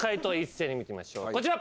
こちら！